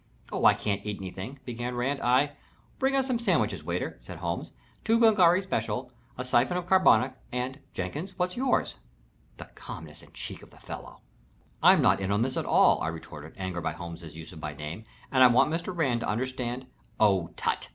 "Oh, I can't eat anything," began Rand. "I " "Bring us some sandwiches, waiter," said Holmes. "Two Glengarry special, a syphon of carbonic, and Jenkins, what's yours?" The calmness and the cheek of the fellow! "I'm not in on this at all," I retorted, angered by Holmes's use of my name. "And I want Mr. Rand to understand " "Oh, tutt!"